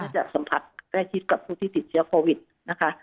จะสัมผัสใกล้ชิดกับผู้ที่ติดเชื้อโควิดนะคะ